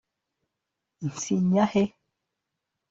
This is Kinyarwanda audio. nsinya he